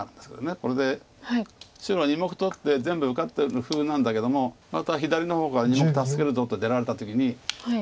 これで白が２目取って全部受かってるふうなんだけどもまた左の方から２目助けるぞと出られた時にちょっと。